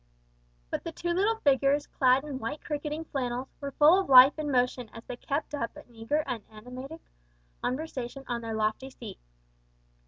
But the two little figures clad in white cricketting flannels, were full of life and motion as they kept up an eager and animated conversation on their lofty seat.